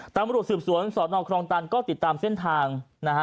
ตำรวจสืบสวนสอนอครองตันก็ติดตามเส้นทางนะฮะ